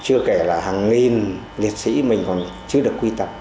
chưa kể là hàng nghìn liệt sĩ mình còn chưa được quy tập